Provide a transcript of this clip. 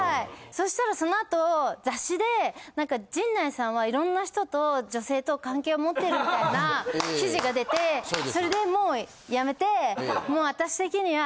そしたらその後雑誌で何か陣内さんはいろんな人と女性と関係を持ってるみたいな記事が出てそれでもうやめてもう私的には。